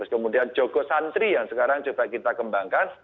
kemudian jogosantri yang sekarang kita kembangkan